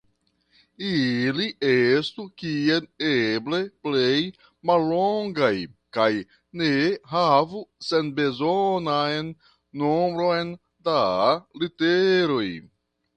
Ili estu kiel eble plej mallongaj kaj ne havu senbezonan nombron da literoj.